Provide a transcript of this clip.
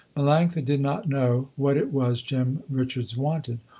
Melanctha did not know what it was Jem Richards wanted.